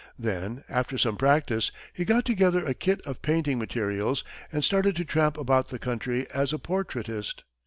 Then, after some practice, he got together a kit of painting materials, and started to tramp about the country as a portraitist.